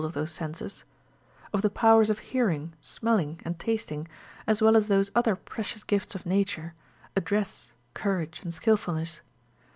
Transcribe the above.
of those senses) of the powers of hearing, smelling, and tast ing, as well as those other precious gilts of Nature, address, courage, and skilfulness